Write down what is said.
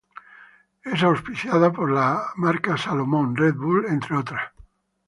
Es auspiciada por la marca Salomon, Red Bull, entre otras.